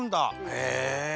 へえ。